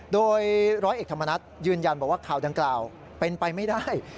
โดยร้อยเอกธรรมนัฏยืนยันบอกว่าข่าวดังกล่าวเป็นไปไม่ได้